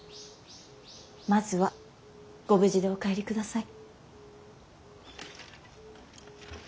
まずはご無事でお帰りください。